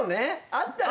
あったら。